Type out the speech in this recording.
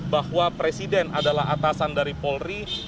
bahwa presiden adalah atasan dari polri